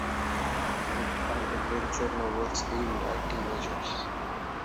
The books are adventure novels aimed at teenagers.